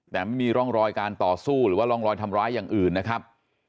แต่ไม่มีร่องรอยการต่อสู้หรือว่าร่องรอยทำร้ายอย่างอื่นนะครับ